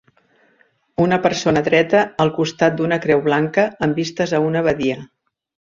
Una persona dreta al costat d'una creu blanca amb vistes a una badia.